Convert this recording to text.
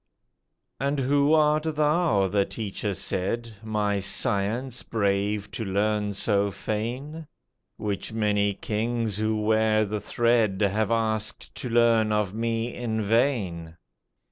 "And who art thou," the teacher said, "My science brave to learn so fain? Which many kings who wear the thread Have asked to learn of me in vain."